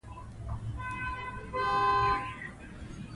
اداري نظام د شفافو پریکړو ملاتړ کوي.